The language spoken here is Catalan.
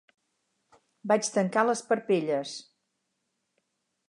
Vaig tancar les parpelles.